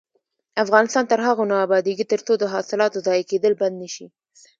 افغانستان تر هغو نه ابادیږي، ترڅو د حاصلاتو ضایع کیدل بند نشي.